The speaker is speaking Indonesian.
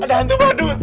ada hantu badut